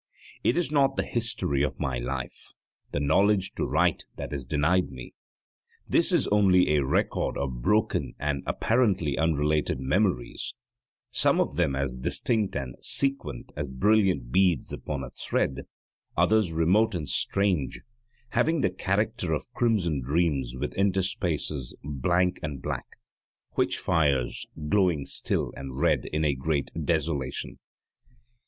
It is not the history of my life; the knowledge to write that is denied me. This is only a record of broken and apparently unrelated memories, some of them as distinct and sequent as brilliant beads upon a thread, others remote and strange, having the character of crimson dreams with interspaces blank and black witch fires glowing still and red in a great desolation.